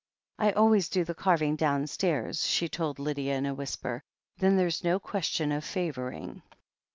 "I always do the carving downstairs," she told Lydia in a whisper. "Then there's no question of favouring."